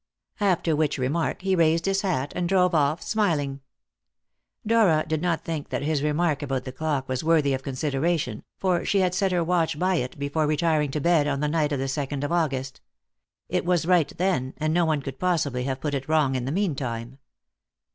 After which remark he raised his hat, and drove off smiling. Dora did not think that his remark about the clock was worthy of consideration, for she had set her watch by it before retiring to bed on the night of the second of August. It was right then, and no one could possibly have put it wrong in the meantime.